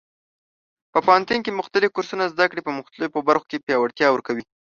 په پوهنتون کې مختلف کورسونه د زده کړې په مختلفو برخو کې پیاوړتیا ورکوي.